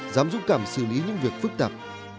dám dũng cảm xử lý những việc phức tạp